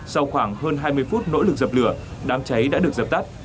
sau khoảng hơn hai mươi phút nỗ lực dập lửa đám cháy đã được dập tắt